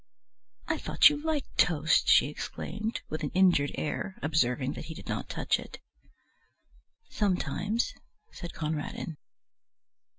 "I thought you liked toast," she exclaimed, with an injured air, observing that he did not touch it. "Sometimes," said Conradin.